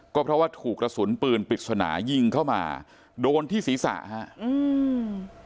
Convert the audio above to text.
ก็เพราะว่าถูกกระสุนปืนปริศนายิงเข้ามาโดนที่ศีรษะฮะอืม